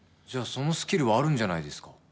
じゃあそのスキルはあるんじゃないですか。